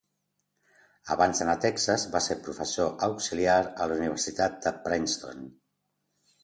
Abans d'anar a Texas, va ser professor auxiliar a la Universitat de Princeton.